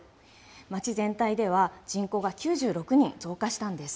町全体では、人口が９６人増加したんです。